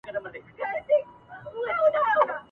د سهارنسیم راوړی له خوږې مېني پیغام دی !.